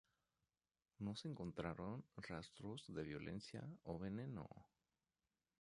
No se encontraron rastros de violencia o veneno.